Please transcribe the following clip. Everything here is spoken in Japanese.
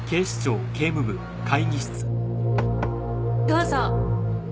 どうぞ。